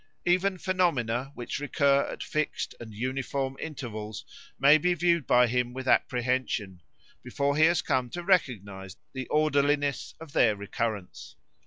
Even phenomena which recur at fixed and uniform intervals may be viewed by him with apprehension, before he has come to recognise the orderliness of their recurrence.